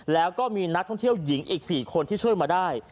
แล้วก็มีนักท่องเที่ยวหญิงอีก๔คนที่ช่วยมาได้